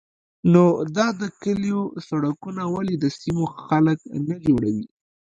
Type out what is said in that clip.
_نو دا د کليو سړکونه ولې د سيمې خلک نه جوړوي؟